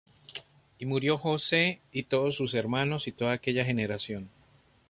Y murió José, y todos sus hermanos, y toda aquella generación.